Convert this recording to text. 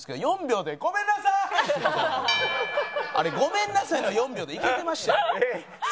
あれ「ごめんなさい」の４秒でいけてましたよ。